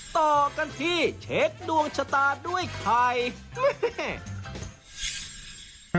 ต่อกันที่เชคดวงชะตาด้วยใคร